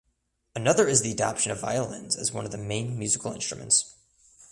Another is the adoption of violins as one the main musical instruments.